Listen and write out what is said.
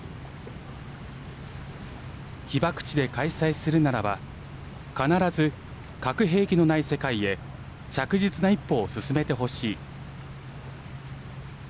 被爆地で開催するならば必ず、核兵器のない世界へ着実な一歩を進めてほしい。